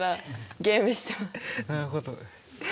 なるほど。